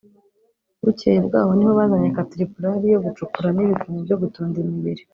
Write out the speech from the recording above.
bukeye bwaho niho bazanye katiripulari yo gucukura n’ibikamyo byo gutunda imibiri